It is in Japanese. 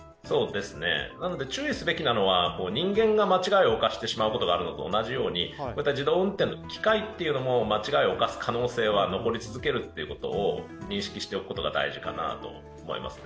注意すべきなのは人間が間違いを犯してしまうことがあるのと同時に、こういった自動運転の機械も間違いを犯す可能性は残り続けることを認識しておくことが大事かなと思います。